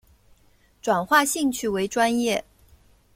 转化兴趣为专业